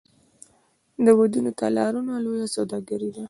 د ودونو تالارونه لویه سوداګري ده